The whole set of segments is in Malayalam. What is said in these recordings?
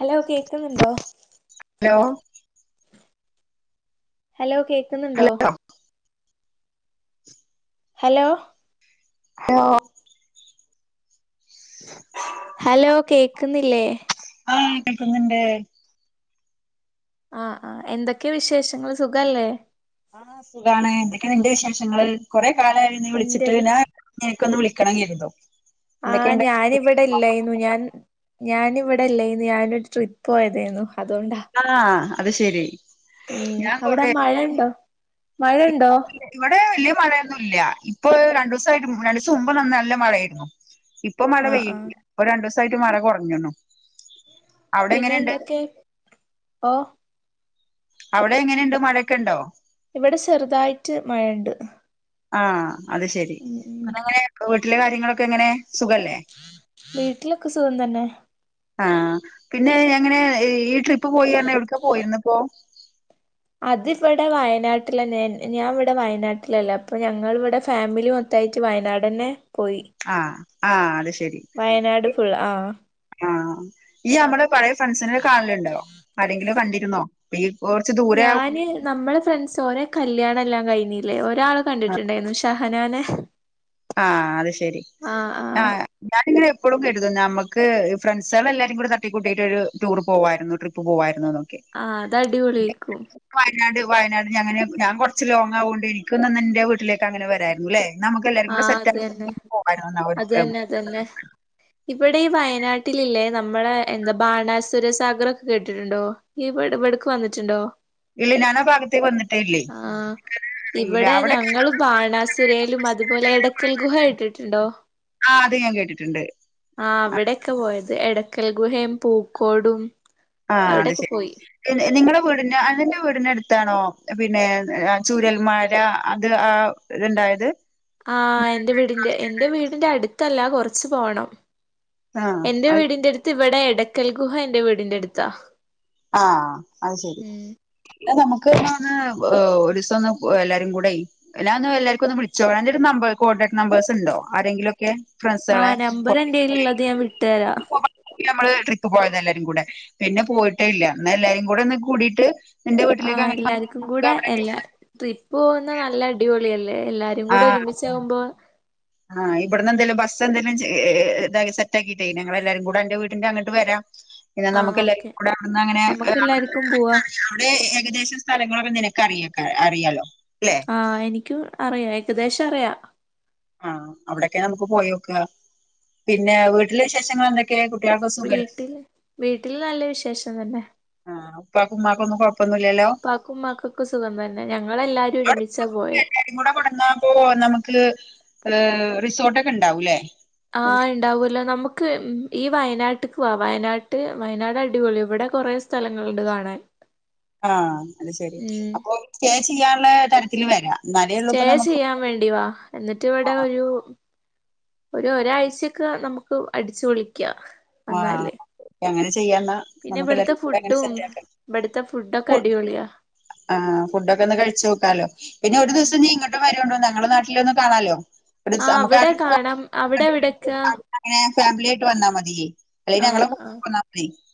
ഹലോ കേക്കുന്നുണ്ടോ ഹലോ ഹലോ കേക്കുന്നുണ്ടോ ഹലോ ഹലോ ഹലോ കേക്ക്ന്നില്ലേ ആഹ് കേക്കുന്നുണ്ട് ആഹ് ആഹ് എന്തൊക്കെ വിശേഷങ്ങൾ സുഖല്ലേ ആഹ് സുഖാണ് എന്തൊക്കെ നിന്റെ വിശേഷങ്ങള് കൊറേ കാലായല്ലോ നീ വിളിച്ചിട്ട് എന്റത് ഞാൻ നിനക്കൊന്ന് വിളിക്കണം കര്തും ആഹ് ഞാന് ഇവിടെല്ലേയ്ന്നു ഞാൻ ഞാന് വിടെ ഇല്ലേയ്ന്നു ഞാനൊരു ട്രിപ്പ് പോയതായിരുന്നു അതോണ്ടാ ആഹ് അത് ശെരി ഉം ഞാൻ അവിടെ കൊറേ മഴണ്ടോ മഴണ്ടോ ഇവിടെ വല്ല്യ മഴയൊന്നും ഇല്ല ഇപ്പൊ രണ്ടൂസായിട്ട് [unintelligible] രണ്ടൂസം മുമ്പ് നല്ല മഴയായിരുന്നു ഇപ്പ് ഇപ്പൊ മഴ ആഹ് ആഹ് പെയ്യയില്ല ഒരു രണ്ടൂസായിട്ട് മഴ കൊറഞ്ഞണ്ണു പിന്നെ എന്തൊക്കെ ഓഹ് അവിടെ എങ്ങനെണ്ട് മഴൊക്കെണ്ടോ ഇവിടെ ചെറുതായിട്ട് മഴണ്ട് ആഹ് അത്ശരി അതങ്ങനെ വീട്ടിലെ കാര്യങ്ങളൊക്കെ എങ്ങനെ സുഖല്ലേ വീട്ടിലൊക്കെ സുഖം തന്നെ ആഹ് പിന്നെ എങ്ങനെ ഈ ട്രിപ്പ് പോയിറഞ്ഞ് എവിട്ക്കാ പോയീര്ന്നപ്പോ ഇപ്പോ അതിവിടെ വയനാട്ടിലന്നെ ഞാൻ ഇവിടെ വയനാട്ടിലല്ലേ അപ്പൊ ഞങ്ങൾവിടെ ഫാമിലി മൊ ത്തായിട്ട് വയനാടന്നെ പോയി ആഹ് ആഹ് അത് ശരി വയനാട് ഫുൾ ആഹ് ആഹ് ഇയ്യ് അമ്മളെ പഴേ ഫ്രണ്ട്സിനനേ കാണല്ണ്ടോ ആരെങ്കിലും കണ്ടിരുന്നോ പ ഈ കൊർച്ച് ദൂ ഞാന് നമ്മളഫ്രണ്ട്സ് ഓരെ കല്ല്യാണല്ലാം കഴിഞ്ഞീല്ലേ ഒരാളെ കണ്ടിട്ടുണ്ടായിരുന്നു ഷഹനാനെ ആഹ് അത് ശരി ആഹ് ഞാന്ങ്ങനെ എപ്പളും കരുതും ഞമ്മക്ക് ഫ്രണ്ട്സാളെല്ലാരും കൂടെ തട്ടിക്കൂട്ടിയിട്ട് ഒരു ടൂറ് പോവായിരുന്നു ട്രിപ്പ് പ്പ് പോവായിരുന്നൂന്ന് ആഹ് അത് അടിപൊളിയിക്കും വയനാട് വയനാട് ഞങ്ങനെ ഞാൻ കൊർച്ച് ലോങ്ങാവോണ്ട് എനിക്കുന്നന്റെ വീട്ടിലേക്കങ്ങനെ വരേര്ന്നുല്ലേ ന്നാ നമ്മക്കെല്ലാ [unintelligible] ആഹ് സെറ്റായി പോവായിരുന്നുന്നാ [unintelligible] പിന്നെ ഇവിടെ ഈ വയനാട്ടിലില്ലേ നമ്മളെ എന്താ ബാണാസുര സാഗർ ഒക്കെ കേട്ടിട്ടുണ്ടോ ഇവിടെ ഇവട്ക്ക് വന്നിട്ടുണ്ടോ ഇല്ല ഞാനാ ഭാഗത്തേക്ക് വന്നിട്ടേ ഇല്ലേയ് ഇവടെ ഞങ്ങള് ബാണാസുരേലും അതുപോൽ ല്ല എടക്കൽ ഗുഹ കേട്ടിട്ടുണ്ടോ ആഹ് അത് ഞാൻ കേട്ടിട്ടുണ്ട് ആഹ് വിടൊക്കെ പോയത് എടക്കൽഗുഹയും പൂക്കോടും ആഹ് അത് അവിടെക്കെ ശരി പോയി നി നിങ്ങടെ വീടിന് അനന്റെ വീടിന അടുത്താണോ പിന്നെ ആഹ് ചൂരൽമാര അത് ആ ത് ണ്ടായത് ആഹ് എന്റെ വീടിന്റ എന്റെ വീടിന്റെ അടുത്തല്ല കൊറച്ച് പോണം ആഹ് എന്റെ അത് വീടിന്റെ അടുത്ത് ഇവിടെ എടയ്ക്കൽ ഗുഹ എന്റെ വീടിന്റെ അടുത്താ. ആഹ് അത് ശരി ഉം ഇ നമുക്ക്ന്ന് ഒരു ദിവസം ഒന്ന് എല്ലാരും കൂടെയ് എല്ലാ ഒന്ന് എല്ലാവർക്കും ഒന്ന് വിളിച്ചോ എന്റെ ഒരു നമ്പർ കോണ്ടാട് നമ്പേഴ്സ് ഉണ്ടോ ആരെങ്കിലുംക്കെ. ഫ്രണ്ട്സാളെ ആഹ് നമ്പർ എന്റെലുള്ളത് ഞാൻ വിട്ടുതരാം നമ്മള് ട്രിപ്പ് പോയത എല്ലാരും കൂടെ പിന്നെ പോയിട്ടേ ഇല്ല എന്ന എല്ലാരും കൂടെ ഒന്ന് കൂടിയിട്ട് ഇന്റെ വീട്ടിലേക്ക് അങ്ങനെ [unintelligible] നമുക്കവടൊക്കെ അങ്ങനെ ട്രിപ്പ്പോ പോവ്ന്ന നല്ല അടിപൊളിയല്ലേ എല്ലാരും കൂടെ ആഹ് ഒരുമിച്ചകുമ്പോ ആഹ് ഇബട്ന്ന് എന്തേലും ബസ് എന്തേലും ഏ ഏ ഇത സെറ്റക്കിയിട്ടേ ഞങ്ങളെല്ലാരും കൂടെ അന്റെ വീടിന്റെ അങ്ങോട്ട് വരാം [inaudible] പിന്നെ നമുക്ക് എല്ലാവരും ഓക്കെ കൂടെ അവിടീന്നങ്ങനെ നമുക്ക് എല്ലാർക്കും പോവാ [inaudible] ഇവിടെ ഏകദേശം സ്ഥലങ്ങളൊക്കെ നിനക്ക് അറിയ അറിയാലോ ല്ലെ? ആഹ് എനിക്കും അറിയാം ഏകദേശം അറിയാം ആഹ് അവിടെക്കെ നമുക്ക് പോയേക്കാ പിന്നെ വീട്ടിലെ വിശേഷങ്ങള് എന്ത ക്കെ കുട്ടിയ വീട്ടില് വീട്ടില് നല്ല വിശേഷം തന്നെ. ആഹ് ഉപ്പാക്ക് ഉമ്മാക്കൊന്നും കൊഴപ്പൊന്നുല്ലല്ലോ പാക്കും ഉമ്മാക്കൊക്കെ സുഖം തന്നെ ഞങ്ങളെല്ലാരും അവിടെ ഒരുമിച്ചാ പോയേ എല്ലാരും കൂടെ കൊടന്നാപ്പോ നമുക്ക് റിസോർട്ടക്കെ ഇണ്ടാവൂല്ലേ ആഹ് ഇണ്ടാവൂലോ നമുക് ക്ക് ഈ വയനാട്ട്ക്ക് വാ വയനാട്ട് വയനാട് അടിപൊളി ഇവിടെ കുറെ സ്ഥലങ്ങളുണ്ട് കാണാൻ ആഹ് അത് ശെരി ഉം അപ്പൊ സ്റ്റേ ചെയ്യാനുള്ള തരത്തിൽ വരാ. സ്റ്റേ ചെയ്യാൻ വേണ്ടി വാ എന്നിട്ട് ഇവിടെ ഒരു ഒരു ഒരാഴ്ചൊക്കെ നമുക്ക് അടിച്ചു പൊളിക്കാ ആഹ് വന്നാല് അങ്ങനെ ചെയ്യാന്നാ പിന്നെ നമുക്ക് ഇവിടുത്തെ എല്ലാർക്കും കൂടെ അങ്ങനെ ഫുഡും സെറ്റ് ആക്കാം ഇവിടുത്തെ ഫുഡൊക്കെ ഫു അടിപൊളിയാ ആഹ് ഫുഡൊക്ക ഒന്ന് കഴിച്ചു നോക്കാലോ പിന്നെ ഒരു ദിവസം നീ ഇങ്ങട്ട്‌ വരോണ്ട് ഞങ്ങളെ നാട്ടിലൊന്നും കാണാലോ ഇവി ആഹ് നമുക്ക് അവിടെ കാണാം അവിടെ എവിടെക്കാ ഫാമിലിയ ആയിട്ട് വന്നാൽ മതിയേ അല്ലെ ഞങ്ങള് ആഹ് ആഹ് [inaudible]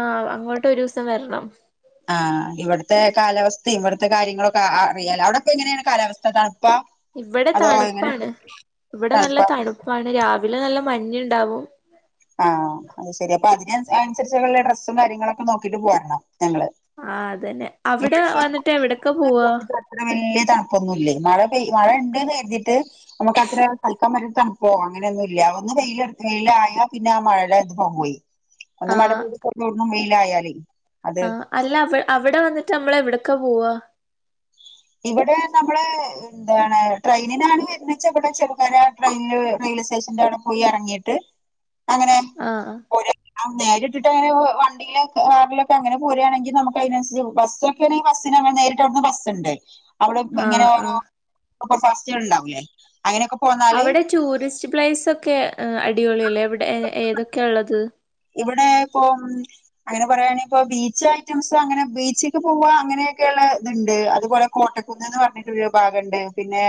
ആഹ് അങ്ങോട്ട് ഒരു ദിവസം വരണം ആഹ് ഇവിടുത്തെ കാലാവസ്ഥ ഇവിടുത്തെ കാര്യങ്ങളൊക്കെ അറിയാല അവിടെപ്പ എങ്ങനെയാണ് കാലാവസ്ഥ തണുപ്പ ഇവിടെ തണുപ്പാണ് ഇവിടെ നല്ല തണുപ്പാ തണുപ്പാണ് രാവിലെ നല്ല മഞ്ഞുണ്ടാവും ആഹ് അത് ശെരി അപ്പൊ അതിനന് അനുസരിച്ചള്ള ഡ്രസ്സും കാര്യങ്ങളൊക്കെ നോക്കിട്ട് പോരണം ഞങ്ങള് ആഹ് അതന്നെ അവിടെ ഇവിടെ വന്നിട്ട് അവിടൊക്കെ പോവാ ഇത് അത്ര വലിയ തണുപ്പൊന്നുല്ല മഴ പെയ മഴ ഇണ്ട്ന്ന് കരിതീട്ട് നമുക്ക് അത്ര കളിക്കാൻ വറ്റ തണുപ്പോ അങ്ങനെയൊന്നും ഇല്ല ഒന്ന് വെയില വെയിലായ പിന്നെ ആ മഴക്കെ പോയ് പോയി ഒന്ന് മഴ ആഹ് പെയതോ വെയിലായാലേ അത് ആ അല്ല അവിടെ വന്നിട്ട് നമ്മള് എവിടേക്കാ പോവാ ഇവിടെ നമ്മള് എന്താണ് ട്രെയിനാണ് വര്ണേച്ച അവിടെ ചെറുകാരെ ട്രെയിനിൽ റെയിൽവേ സ്റ്റേഷന്റെ അവിടെ പോയി ഇറങ്ങിയിട്ട് അങ്ങനെ ആഹ് ആഹ് പോരാ നേരിട്ടിട്ട് വണ്ടി പിന്നെ കാറിലൊക്കെ അങ്ങനെ പോരാണെങ്കി നമുക്ക് അയ്നൻസരിച്ച് ബസ്സൊക്കെ ആണേ ബസ്സ്ന് നേരിട്ടവ്ട്ന്ന് ബസ്സ്ണ്ട്. അവിടെ ഇപ് ഇങ്ങനെ ആഹ് ഓരോ ആഹ് സൂപ്പർ ഫാസ്റ്റേള് ഇണ്ടാവൂല്ലേ അങ്ങനെയൊക്കെ പോന്നാല് അവിടെ ടൂറിസ്റ്റ് പ്ലേസ് ഒക്കെ ആഹ് അടിപൊളി അല്ലേ അവിടെ ഏതൊക്കെ ഇള്ളത്? ഇവിടെ ഇപ്പൊം അങ്ങനെ പറയാണെങ്കിപ്പൊ ബീച്ച് ഐറ്റംസ് അങ്ങനെ ബീച്ചിക്ക് പോവാ അങ്ങനെയെക്കെ യൊള്ള ഇത്ണ്ട് അതുപോലെ കോട്ടക്കുന്ന്ന്ന് പറഞ്ഞിട്ട് ഒരു ഭാഗണ്ട് പിന്നെ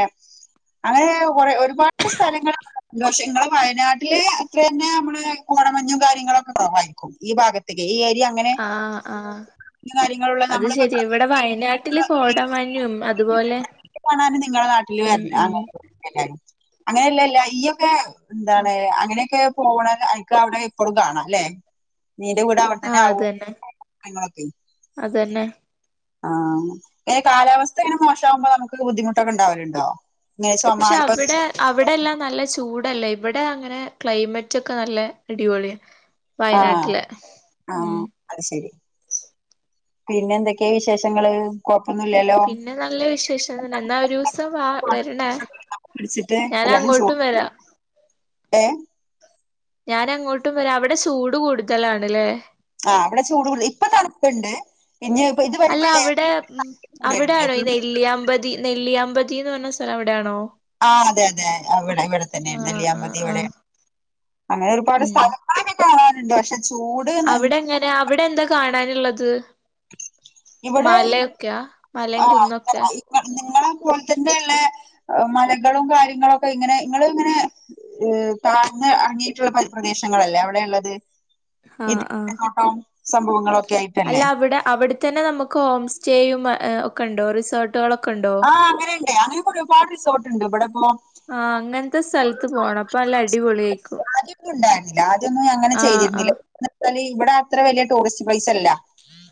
അങ്ങെ കൊറേ ഒരുപാട് സ്ഥലങ്ങള് ണ്ട് പക്ഷെ ഇങ്ങളെ വയനാട്ടില് പിന്നെ ഞമ്മളെ കോടമഞ്ഞും കാര്യങ്ങളൊക്കെ കൊറവായിരിക്കും ഈ ഭാഗത്ത്ക്കേ ഈ ഏരിയ ആഹ് ആഹ്. പല കാര്യങ്ങളുള്ള അത് നമ്മളിപ്പോ ശരിയാ. ഇവിടെ വയനാട്ടില് പ്രകൃതി കോടമഞ്ഞും അതുപോലെ ക്കെ കാണാന് നിങ്ങളെ നാട്ടില് ഉം വര് ഉം [unintelligible] എല്ലാരും. അങ്ങനെല്ല ല്ല ഇയ്യൊക്കെ ആഹ് എന്താണ് അങ്ങനെയൊക്കെ പോവ്ണെ അയ്ക്കാവ്ണത് എപ്പളും കാണാ ല്ലെ? നിന്റെ വീട് അവിടെത്തന്നെ ആഹ് ആവോണ്ട് അതന്നെ [unintelligible] ളൊക്കെ. അതന്നെ. ആഹ്. ഏഹ് ഇങ്ങനെ കാലാവസ്ഥ ഇങ്ങനെ മോശാവുമ്പോ നമുക്ക് ബുദ്ധിമുട്ടൊക്കെ ഇണ്ടാവല്ണ്ടോ? പക്ഷെ അവിടെ അവിടെല്ലാം നല്ല ചൂടല്ലേ? ഇവിടെ അങ്ങനെ ക്ലൈമറ്റൊക്കെ നല്ല അടിപൊളിയാ. ആ വയനാട്ടിലെ ആ ഉം അത് ശരി. പിന്നെ എന്തെക്കെ വിശേഷങ്ങള്? കൊഴപ്പൊന്നുല്ലല്ലോ? പിന്നെ നല്ല വിശേഷം തന്നെ. എന്നാ ഒരൂസം വാ വരണേ. പിടിച്ചിട്ട് ഞാനങ്ങോട്ടും വരാം. ഏഹ് ഞാനങ്ങോട്ടും വരാ. അവിടെ ചൂട് കൂടുതലാണ്ല്ലേ? ആഹ് ഇവ്ടെ ചൂട് കൂട്തലാ. ഇപ്പ തണുപ്പ്ണ്ട്. പിന്നെ ഇപ്പൊ അല്ല അവിടെ ഉം ചൂടായിരുന്നു അവിടെയാണോ ഈ ഏപ്രിൽ നെല്ലിയാമ്പതി? നെല്ലിയാമ്പതീന്ന് പർഞ്ഞ സ്ഥലം അവിടേണോ? ആഹ് അതെ അതെ അവിടെ ഇവിടെ തന്നെണ് ആഹ് നെല്ലിയാമ്പതി ഇവിടേ. ആഹ് അങ്ങനെ ഒരുപാട് സ്ഥലം ഇപ്പൊന്നെ കാണാറുണ്ട് പക്ഷേ അവിടെങ്ങനാ അവിടെ എന്താ കാണാന്ള്ളത്? ഇവിടെ മലയൊക്കെയാ? മലയും കുന്നൊക്കെ. വ നിങ്ങളെ പോലത്തന്നെള്ള ആഹ് മലകളും കാര്യങ്ങളൊക്കെ ഇങ്ങനെ ഇങ്ങള് ഇങ്ങനെ ഏഹ് താഴ്ന്ന് എറങ്ങിയിട്ടുള്ള പരി പ്രദേശങ്ങളല്ലേ അവിടെ ഇള്ളത്? ആഹ് [unintelligible] ആഹ് ങ്ങോട്ടൊ സംഭവങ്ങളൊക്കേയി അല്ല അവിടെ അവിടെത്തന്നെ നമുക്ക് ഹോം സ്റ്റേയും ഏഹ് ഒക്കെണ്ടോ റിസോർട്ടുകളൊക്കെണ്ടോ? ആഹ് അങ്ങനെ ഇണ്ടേ. അങ്ങനെക്കൊരുപാട് റിസോർട്ട്ണ്ട് ഇബടെപ്പോ. ആഹ് അങ്ങൻത്തെ സ്ഥൽ [unintelligible] ആദ്യൊന്നും ഇണ്ടായിന്നില്ല. ആദ്യൊന്നും അങ്ങനെ ആഹ് ചെയ്തിരുന്നില്ല. ആഹ് എന്ന് വച്ചാല് ഇവിടെ അത്ര വലിയ ടൂറിസ്റ്റ് പ്ലേസല്ല.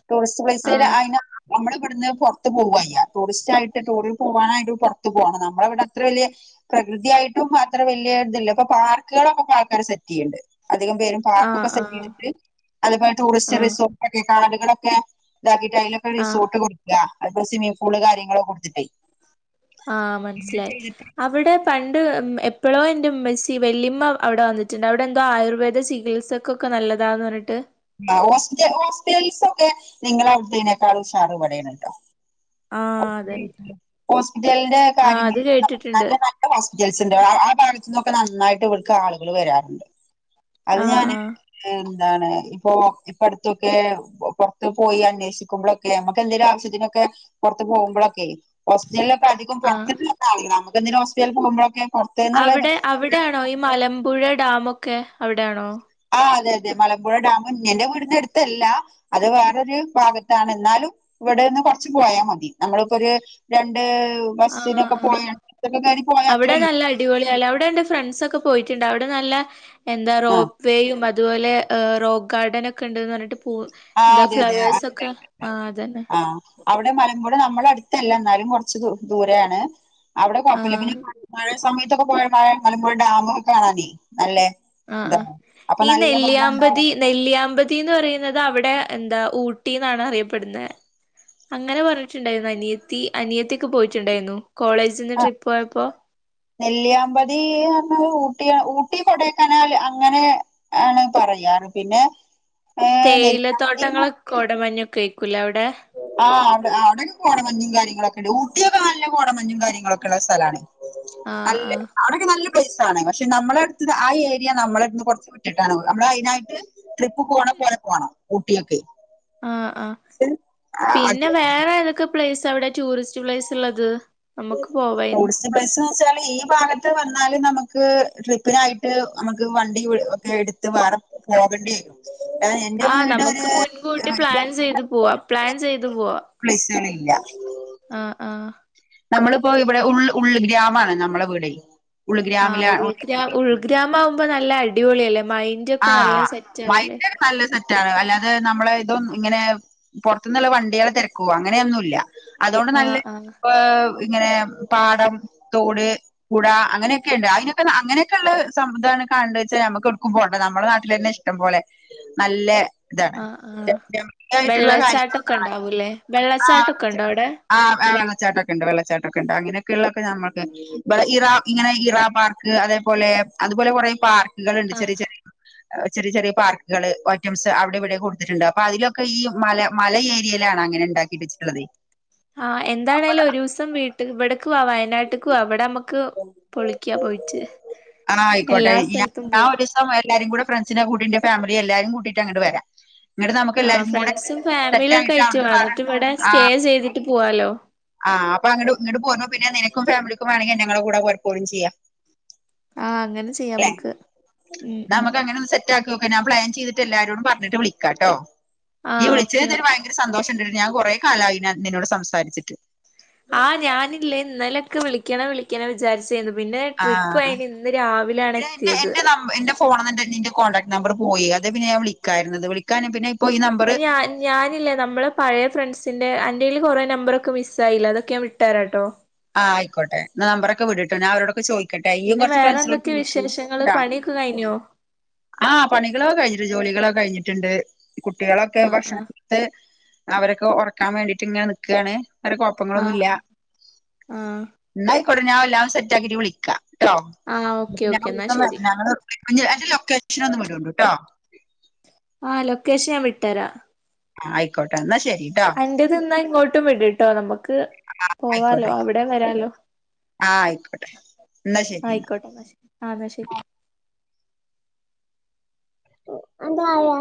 ടൂറിസ്റ്റ് പ്ലേസില് ആഹ് അയിന് നമ്മളിവിട്ന്ന് പൊർത്ത് പോവാ യ്യ. ടൂറിസ്റ്റായിട്ട് ടൂറിൽ പോവാനായിട്ടും പൊർത്തു പോണം. നമ്മളെവടെ അത്ര വലിയ പ്രകൃതിയായിട്ടും അത്ര വല്ല്യ ഇതില്ല. ഇപ്പൊ പാർക്കുകളൊക്കെപ്പൊ ആൾക്കാര് സെറ്റ്യ്യ്ണ്ട്. അധികം പേരും ആഹ് പാർക്കൊക്കെ ആഹ് സെറ്റയ്തിട്ട് അതേപോലെ ടൂറിസ്റ്റ് ആഹ് റിസോർട്ട് ഒക്കെ കാടുകളൊക്കെ ഇതാക്കിട്ടായാലും ക്കെ ആഹ് റിസോർട്ട് കൊടുക്കാ അതിപ്പോ സ്വിമ്മിംഗ് പൂള് കാര്യങ്ങളൊക്കെ കൊടുത്തിട്ടേ. ആഹ് അങ്ങനെ മൻസിലായി. ചെയ്തിട്ട് അവിടെ പണ്ട് ഉം എപ്പളോ എൻ്റെമ്മച്ചി വെല്ലിമ്മ അവിടെ വന്നിട്ട്ണ്ട്. അവിടെന്തോ ആയുർവേദ ചികിത്സ ക്കൊക്കെ നല്ലതാന്ന് പർഞ്ഞിട്ട്. ആഹ് ഹോസ്പിറ്റൽ ഹോസ്പിറ്റൽസൊക്കെ നിങ്ങളവിടുത്തേനേക്കാളും ഉഷാറ് ഇവടേണ് ട്ടോ. ആഹ് അതന്നെ [unintelligible] ഹോസ്പിറ്റൽന്റെ ആഹ് അത് കാര്യങ്ങൾക്കും [unintelligible] നല്ല കേട്ടിട്ടുണ്ട് [unintelligible] നല്ല ഹോസ്പിറ്റൽസ്ണ്ട്. ആ ആ ഭാഗത്ത്ന്നൊക്കെ നന്നായിട്ട് ഇവട്ക്ക് ആളുകള് വരാറ്ണ്ട്. അത് ആഹ് ഞാന് ആഹ് എന്താണ് ഇപ്പോ. ഇപ്പ അടുത്തൊക്കെ പൊർത്ത് പോയി അന്വേഷിക്കുമ്പൊളൊക്കെ നമുക്ക് എന്തെങ്കിലും ആവശ്യത്തിനൊക്കെ പോർത്ത് പോവുമ്പളൊക്കെ ഹോസ്പിറ്റൽലൊക്കെ അധികും ആഹ് പൊർത്ത് [unintelligible] ല്ലാത്ത ആള്കളാ നമുക്ക് എന്തിന് ഹോസ്പിറ്റൽന്ന് പോവുമ്പളൊക്കെ പൊർ അവിടെ അവിടെയാണോ ഈ മലമ്പുഴ ഡാമൊക്കെ അവിടെയാണോ? ആഹ് അതെ അതെ മലമ്പുഴ ഡാമും എന്റെ വീടിന്റെ അടുത്തല്ല അത് വേറൊരു ഭാഗത്താണ് എന്നാലും ഇവിടെന്ന് കൊറച്ച് പോയാ മതി നമ്മളിപ്പോ ഒരു രണ്ട് ആഹ് ബസ്സിനൊക്കെ ആഹ് പോയക്കെ കയറി അവിടെ പോയാത്രേ ഉള്ളൂ നല്ല അടിപൊളിയാല്ലേ അവിടെ എന്റെ ഫ്രണ്ട്സ് ഒക്കെ പോയിട്ടുണ്ട് അവിടെ നല്ല എന്താ ആ റോപ്പ് വേയും അതുപോലെ റോക്ക് ഗാർഡൻ ഒക്കെ ഒണ്ടന്ന് പറഞ്ഞിട്ട് ഉവ്വ് ആ എന്താ അതെ അതെ ആ ഫ്ലവേഴ്സ് ഒക്കെ ആഹ് അതന്നെ ആ. അവിടെ മലമ്പുഴ നമ്മടെ അടുത്തല്ല എന്നാലും കൊറച്ച് ദൂ ദൂരെയാണ് അവിടെ കൊഴപ്പല്ല ആഹ് മഴ സമയത്തൊക്കെ പോയ മഴ മലമ്പുഴ ഡാമ് ഒക്കെ കാണാനേ അല്ലേ ആഹ് ആഹ് ഈ നെല്ലിയാമ്പതി നെല്ലിയാമ്പതി ന്ന് പറയുന്നത് അവിടെ എന്താ ഊട്ടി ന്നാണ് അറിയപ്പെടുന്നെ അങ്ങനെ പറഞ്ഞിട്ടുണ്ടായിരുന്നു അനിയത്തി അനിയത്തിക്കെ പോയിട്ടുണ്ടായിരുന്നു കോളേജിന്ന് ട്രിപ്പ് പോയപ്പോ നെല്ലിയാമ്പതിന്നു പർഞാല് ഊട്ടിയ ഊട്ടി കൊടെക്കനാൽ അങ്ങനെ ആണ് പറയാറ് പിന്നെ ഏഹ് തേയില നെല്ലിയാമ്പതി തോട്ടങ്ങളൊ കൊടമഞ്ഞൊക്കെ ആയികുംലെ അവിടെ ആഹ് അവിടെ അവിടെ കോടമഞ്ഞും കാര്യങ്ങളൊക്കെ ഉണ്ട് ഊട്ടിയൊക്കെ നല്ല കോടമഞ്ഞും കാര്യങ്ങളൊക്കെ ഒള്ള സ്ഥലാണ് ആഹ് അല്ലെ ആഹ് അതോക്കെ നല്ല പ്ലേസ് ആണ് പക്ഷെ നമ്മള അടുത്ത് ആ ഏരിയ നമ്മളെടുന്ന് കൊറച്ച് വിട്ടിട്ടാണ് നമ്മൾ അയിനായിട്ട് ട്രിപ്പ് പോണ പോലെ പോകണം ഊട്ടിയൊക്കെ ആഹ് ആഹ് പിന്നെ വേറെ ഏതൊക്കെ പ്ലേസ് അവിടെ ടൂറിസ്റ്റ് പ്ലേസ് ള്ളത് നമുക്ക് പോവായിരുന്നു പക്ഷേ ബസ്ന്ന് വച്ചാല് ഈ ഭാഗത്ത് വന്നാല് നമുക്ക് ട്രിപ്പിനായിട്ട് നമുക്ക് വണ്ടി ഒ ഒക്കെ എടു ട്ട് വേറെ പോകേണ്ടിവരും ആഹ് നമുക്ക് മുൻകൂട്ടി പ്ലാൻ ചെയ്തു പൂവാ പ്ലാൻ ചെയ്തു പൂവാ പ്ലേയ്സ്ണ്ല്ല. ആഹ് ആഹ്. നമ്മളിപ്പോ ഇവിടെ ഉൾ ഉൾഗ്രാമാണ് നമ്മള്ളെ വീടേയ് ഉൾഗ്രാമിലാ [unintelligible] ഗ്രാമാവുമ്പോനല്ല അടിപൊളിയല്ലേ മൈയ് ആഹ് മൈൻഡ് ക്കെ നല്ല [unintelligible] റ്റാണ് അല്ലാതെ നമ്മള് ഇതൊന്ന് ഇങ്ങനെ പൊർത്ത്ന്ന്ള്ള വണ്ടിയാളെ തെരക്കുംവഅങ്ങനെയൊന്നുല്ല. അതോണ്ട് നല്ല ആഹ് ആഹ് ഇപ്പൊ ഇങ്ങനെ പാടം തോട്, പുഴ അങ്ങനെയെക്കെയ്ണ്ട് അയ്നൊക്കെ അങ്ങനെയെക്ക്ള്ള് സംവിധാനം കണ്ടെച് നമ്മക് എട്ക്കും പോ ണ്ട നമ്മളെ നാട്ടിലെന്നെ ഇഷ്ടം പോലെ നല്ല താണ് [unintelligible] യിട്ട കാര്യങ്ങ ക്കെ ണ്ടാവുല്ലേ ആഹ് ച്ചാ ആഹ് വെള്ളച്ചാട്ടൊക്കെണ്ട് വെള്ളച്ചാട്ടൊക്കെയ്ണ്ട് അങ്ങനെയെക്കെള്ളക്കെ നമ്മൾക്ക് [unintelligible] ബടെ ഇറ ഇങ്ങനെ ഇറാ പാർക്ക് അതേപോലെ അതുപോലെ കുറേ പാർക്കുകൾ ഉണ്ട് ചെറ്യേ ചെറ്യേ ചെറിയ ചെറിയ പാർക്കുകള് ഒറ്റംസ് അവിടെ ഇവിടെ കൊടുത്തിട്ടുണ്ട് അപ്പൊ അതിലൊക്കെ ഈ മല മല ഏരിയയിലാണ് അങ്ങനെ ഇണ്ടാ വിഭജ്ച്ച്ട്ട്ള്ളതേ ആഹ് എന്താണേലും ഒരൂസം വീട്ട് ഇവട്ക് വാ വയനാട്ട്ക്ക് വാ വടെഅമ്മ ക്ക് പൊളിക്കാ പോയിറ്റ് എല്ലാ സ്ഥലത്തും പോവാ. ത്തം എല്ലാരിം ക്കൂടെ ഫ്രണ്ട്സിനെ ഒക്കെ കൂട്ടിന്റെ ഫമിലി എല്ലാരിം കൂട്ടിയിട്ട് അങ്ങണ്ട് വെരാ ആഹ് ഫ്രണ്ട്സും സെറ്റ് ഫാമിലി ഒക്കെ ആയിട്ട് ആയിറ്റ് അവിടുന്ന് വാ വേറെ ന്നിട്ട് ഇവിടെ സ്റ്റേ ചെയ്തിട്ട് പോവാലോ. ആഹ് അപ്പൊ അങ്ങണ്ടു ഇങ്ങണ്ട് പോരുമ്പോ പിന്നെ നിനക്കും ഫാമിലിക്കും വേണെങ്കിൽ ഞങ്ങടെ കൂടെ പോരും ചെയ്യാ ആഹ് അങ്ങനെ ചെയ്യാം ഏ നമുക്ക് ഉം ഉം ന്നാമ്മക്ക് അങ്ങനെ ഒന്ന് സെ റ്റാക്കിയോക്കാ ഞാൻ പ്ലാൻ ചെയ്തിട്ട് എല്ലാരോടും പർഞ്ഞിട്ട് വിളിക്കാട്ടോ ഇയ്യ് ആഹ് വിളിച്ച് ഓക്കെ ഏതായാലും ഓക്കെ ഭയങ്കര സന്തോഷയി ട്ട്ണ്ട് ഞാൻ കൊറെ കാലായി ഞാൻ നിന്നോട് സംസാരിച്ചിട്ട് ആഹ് ഞാനില്ലേ ഇന്നലെക്കെ വിളിക്കണം വിളിക്കണം വിചാരിച്ച് റ്റേയ്ന്ന് പിന്നെ ആ ട്രിപ്പ് അയ്ഞ്ഞ് ഇന്ന് രാവിലാണ് പിന്നെ എന്റെ എത്തിയേത് എന്റെ നമ്പ- എന്റെ ഫോണ്ന്ന് ന്റെ നിന്റെ കോൺടാക്ട് നമ്പർ പോയേയ് അതേ പിന്നെ ഞാ വിളിക്കാര്ന്നത് വിളിക്കാന് പിന്നെ ഇപ്പൊ ഈ ന്നാ നമ്പറ് ഞാ ഞാനില്ലേ നമ്മളെ പഴേ ഫ്രണ്ട്സിൻന്റെ അന്റെല് കൊറേ നമ്പറൊക്കെ മിസ്സായില്ലേ അതൊക്കെ ഞാൻ വിട്ടെരാട്ടോ ആഹ് അയ്ക്കോട്ടെ ന്നാ നമ്പറൊക്കെ വിട് ട്ടോ ഞാ അവരോടൊക്കെ ചോയ് ക്കട്ടെ ഇയ്യും പിന്നെ കൊർച്ച് വേറെ ഫ്രണ്ട്സിലോൽക്ക് എന്തൊക്കെ വിളിക്കു വിശേഷങ്ങള് ട്ടാ പണിയൊക്കെ കഴിഞ്ഞോ ആഹ് പണികളൊക്കെ കഴിഞ്ഞിട്ട് ജോലികളൊക്കെ കഴിഞ്ഞിട്ടുണ്ട് കുട്ടികളൊക്കെ ആഹ് ഭക്ഷണം ആഹ് ട്ട് അവരൊക്കെ ഒറക്കാൻ വേണ്ടിട്ട് ഇങ്ങനെ നിക്ക് ആണ് ആഹ് ആഹ് ന്നാ അയ്ക്കോട്ടെ ഞാൻ എല്ലാവും സെറ്റ് ആക്കിട്ട് വിളിക്ക ട്ടോ ആഹ് [unintelligible] ഓക്കെ ഓക്കെ എന്നാ വര്നം ശരി ഞങ്ങള് അന്റെ അന്റെ ലൊക്കേഷൻ ഒന്ന് വ്ടോണ്ടുട്ടോ ആഹ് ലൊക്കേഷൻ ഞാൻ വിട്ടെരാ ആഹ് ആയ്ക്കോട്ടെ ന്നാ ശെ അന്റെത് ന്നാ ഇങ്ങോട്ടും വിട് ട്ടോ നമ്മ്ക്ക് പോവാലോ അവിടെ വരാലോ ആഹ് ആയ്ക്കോട്ടെ ഇന്നാ ശരിന്നാ ആയിക്കോട്ടെ എന്നാ ശരി ആഹ് എന്നാ ശരി എന്താ ആയാ